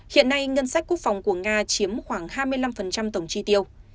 hiện nay ngân sách quốc phòng của nga chiếm khoảng hai mươi năm tổng chi tiêu